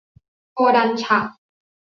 โคดันฉะ